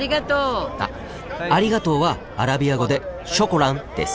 あっ「ありがとう」はアラビア語で「ショコラン」です。